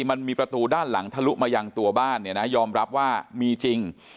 มันมีประตูด้านหลังทะลุมายังตัวบ้านเนี่ยนะยอมรับว่ามีจริง